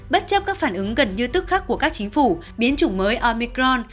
bất chấp các phản ứng gần như tức khắc của các chính phủ biến chủng mới omicron